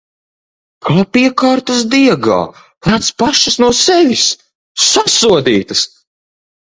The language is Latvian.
Kā piekārtas diegā... Lec pašas no sevis! Sasodītas!